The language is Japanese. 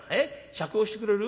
酌をしてくれる？